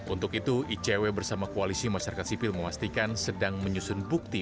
untuk itu icw bersama koalisi masyarakat sipil memastikan sedang menyusun bukti